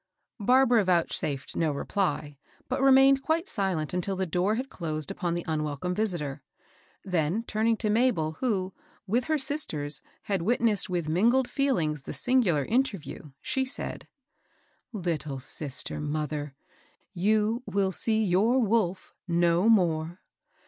Barbara vouchsafed no reply, bat remained quite silent until the door had closed upon the unwelcome visitor; then, taming to Mabel, who, with her sisters, had witnessed with mingled feelings the sin gular interview, she said, —Little sister mother, jou will see your wolf no more.